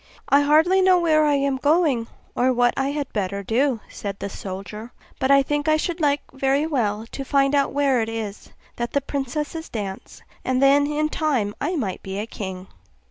'I hardly know where I am going, or what I had better do,' said the soldier; 'but I think I should like very well to find out where it is that the princesses dance, and then in time I might be a king.